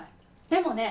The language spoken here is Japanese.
でもね